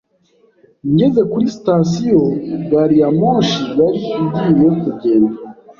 Ngeze kuri sitasiyo, gari ya moshi yari igiye kugenda.